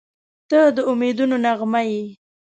• ته د امیدونو نغمه یې.